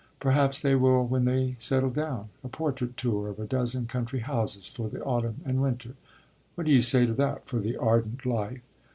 Perhaps they will when they settle down. A portrait tour of a dozen country houses for the autumn and winter what do you say to that for the ardent life?